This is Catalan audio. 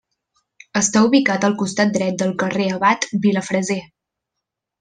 Està ubicat al costat dret del carrer Abat Vilafreser.